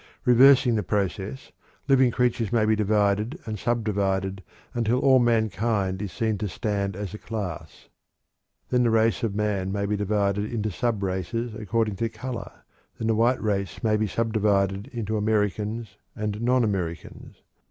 Reversing the process, living creatures may be divided and subdivided until all mankind is seen to stand as a class. Then the race of man may be divided into sub races according to color; then the white race may be subdivided into Americans and non Americans.